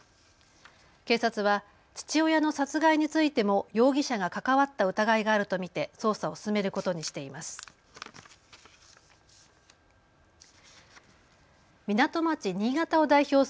警察は父親の殺害についても容疑者が関わった疑いがあると見て捜査を進めることにしています。